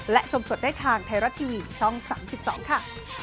และชมสดได้ทางไทยรัฐทีวีช่อง๓๒ค่ะ